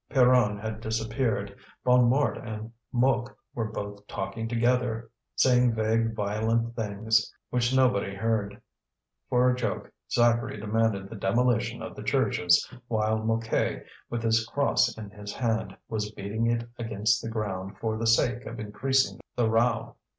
Pierron had disappeared. Bonnemort and Mouque were both talking together, saying vague violent things which nobody heard. For a joke Zacharie demanded the demolition of the churches, while Mouquet, with his crosse in his hand, was beating it against the ground for the sake of increasing the row.